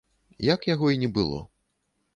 Як яго і не было.